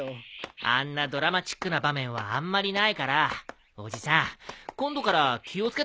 あんなドラマチックな場面はあんまりないからおじさん今度から気を付けた方がいいよ。